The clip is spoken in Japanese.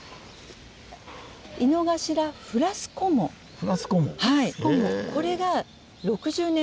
フラスコモ？